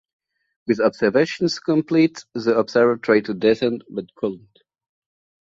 With observations complete, the observers tried to descend, but couldn't.